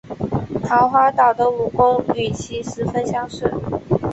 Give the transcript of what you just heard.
桃花岛的武功与其十分相似。